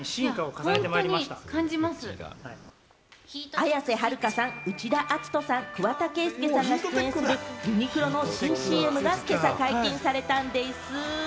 綾瀬はるかさん、内田篤人さん、桑田佳祐さんが出演するユニクロの新ＣＭが今朝、解禁されたんでぃす。